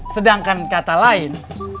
sedangkan kata lain